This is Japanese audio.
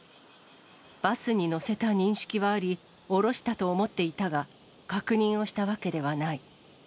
バスに乗せた認識はあり、降ろしたと思っていたが、確認をしたわけではない。